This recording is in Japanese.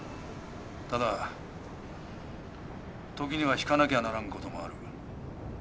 ただ時には引かなきゃならん事もある。